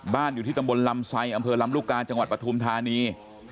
อยู่ที่ตำบลลำไซอำเภอลำลูกกาจังหวัดปฐุมธานี